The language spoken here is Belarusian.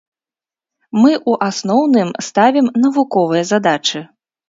Мы ў асноўным ставім навуковыя задачы.